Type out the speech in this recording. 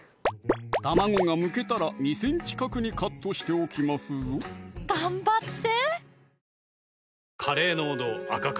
卵がむけたら２ｃｍ角にカットしておきますぞ頑張って！